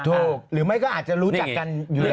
หรือไม่ก็อาจจะรู้จักกันอยู่แล้ว